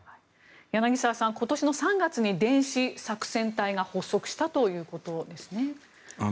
柳澤さん、今年３月に電子作戦隊が発足したということですね。